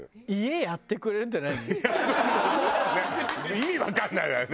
意味わかんないわよね。